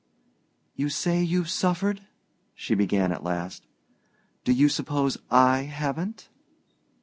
"You say you've suffered," she began at last. "Do you suppose I haven't?"